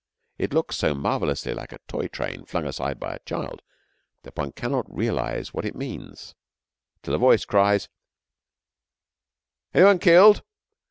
It looks so marvellously like a toy train flung aside by a child, that one cannot realise what it means till a voice cries, 'Any one killed?'